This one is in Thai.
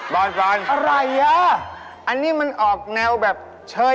ยังไงอย่างนั้นไม่ต้องลาบวชเหรอ